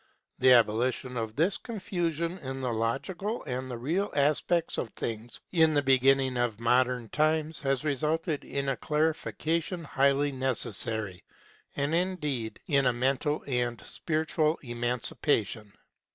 The abolition of this confusion of the logical and the real aspects of things in the beginning of modern times has resulted in a clarification highly necessary, and, indeed, in a mental and spiritual emancipation.